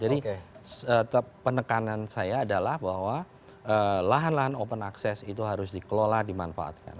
jadi penekanan saya adalah bahwa lahan lahan open access itu harus dikelola dimanfaatkan